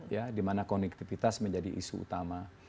ya dimana konektivitas menjadi isu utama